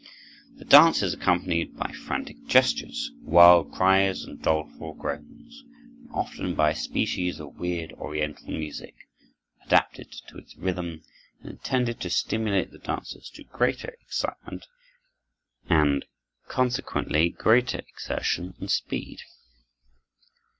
The dance is accompanied by frantic gestures, wild cries, and doleful groans, and often by a species of weird oriental music, adapted to its rhythm, and intended to stimulate the dancers to greater excitement, and consequently greater exertion and speed.